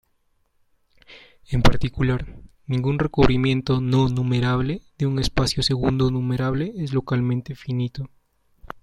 En particular, ningún recubrimiento no numerable de un espacio segundo-numerable es localmente finito.